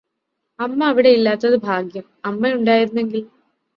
അമ്മ അവിടെയില്ലാത്തത് ഭാഗ്യം അമ്മയുണ്ടായിരുന്നെങ്കിൽ